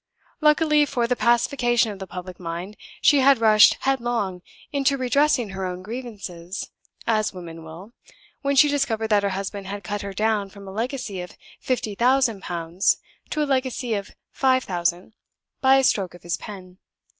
Luckily for the pacification of the public mind, she had rushed headlong into redressing her own grievances (as women will), when she discovered that her husband had cut her down from a legacy of fifty thousand pounds to a legacy of five thousand by a stroke of his pen.